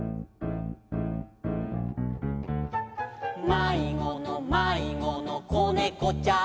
「まいごのまいごのこねこちゃん」